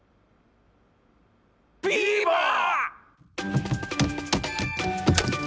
ビーバー！